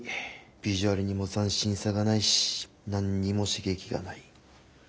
ビジュアルにも斬新さがないし何にも刺激がない。